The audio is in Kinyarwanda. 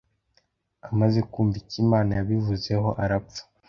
amaze kumva icyo inama yabivuzeho arapfa